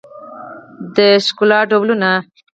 د ښکلا ډولونه